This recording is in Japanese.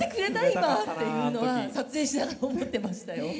今」っていうのは撮影しながら思ってましたよ。